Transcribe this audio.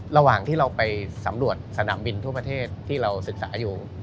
ระหว่างที่เราไปสำรวจสนามบินทั่วประเทศที่เราศึกษาอยู่